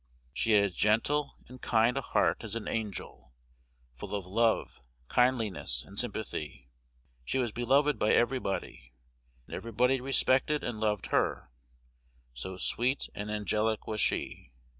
She had as gentle and kind a heart as an angel, full of love, kindliness, and sympathy. She was beloved by everybody, and everybody respected and loved her, so sweet and angelic was she.